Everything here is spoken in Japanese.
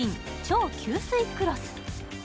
超吸水クロス